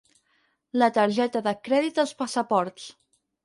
La targeta de crèdit dels passaports.